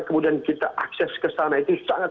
kemudian kita akses ke sana itu sangat